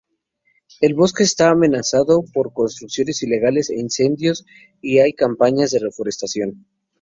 El bosque está amenazado por construcciones ilegales e incendios y hay campañas de reforestación.